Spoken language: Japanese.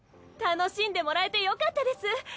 楽しんでもらえてよかったです。